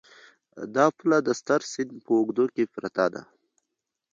دا پوله د ستر سیند په اوږدو کې پرته ده.